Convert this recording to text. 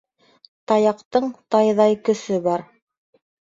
Таяҡтың тайҙай көсө бар.